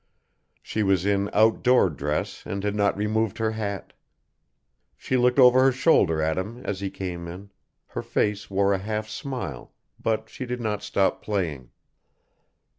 She was in out door dress and had not removed her hat. She looked over her shoulder at him as he came in, her face wore a half smile, but she did not stop playing.